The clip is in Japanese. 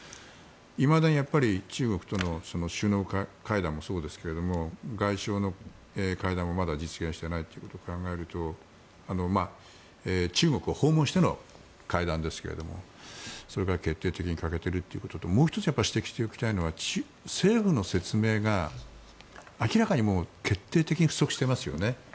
いまだに中国との首脳会談もそうですが外相の会談もまだ実現していないということを考えると中国を訪問しての会談ですけどそれが決定的に欠けているということともう１つ指摘しておきたいのは政府の説明が明らかに決定的に不足していますよね。